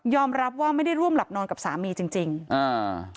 รับว่าไม่ได้ร่วมหลับนอนกับสามีจริงจริงอ่า